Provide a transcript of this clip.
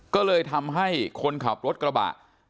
ก็เลยทำให้คนขับรถกระบะ